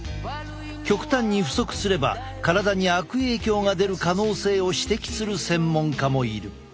極端に不足すれば体に悪影響が出る可能性を指摘する専門家もいる。